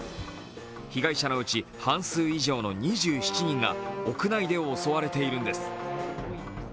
被害者のうち半数以上の２７人が屋内で襲われているんです。